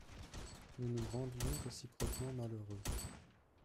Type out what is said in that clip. Nous nous rendions réciproquement malheureux.